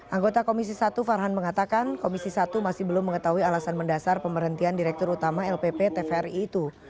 anggota komisi satu farhan mengatakan komisi satu masih belum mengetahui alasan mendasar pemberhentian direktur utama lpp tvri itu